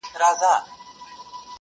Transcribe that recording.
• جنگ دی سوله نه اكثر ـ